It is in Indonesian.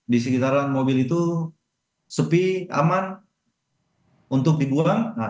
di sekitaran mobil itu sepi aman untuk dibuang